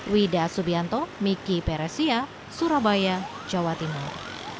wida subianto miki peresia surabaya jawa timur